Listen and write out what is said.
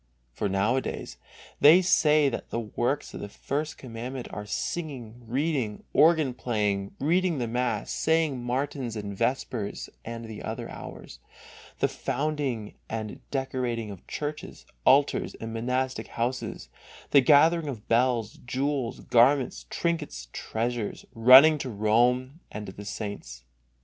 For nowadays they say that the works of the First Commandment are singing, reading, organ playing, reading the mass, saying matins and vespers and the other hours, the founding and decorating of churches, altars, and monastic houses, the gathering of bells, jewels, garments, trinkets and treasures, running to Rome and to the saints.